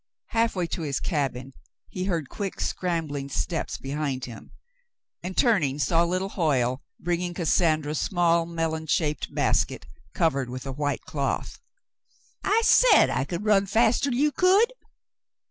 Halfway to his cabin, he heard quick, scrambling steps behind him, and, turning, saw little Hoyle bringing Cassandra's small melon shaped basket, covered with a white cloth. "I said I could run faster'n you could.